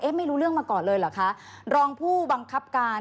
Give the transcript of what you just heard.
ไม่รู้เรื่องมาก่อนเลยเหรอคะรองผู้บังคับการ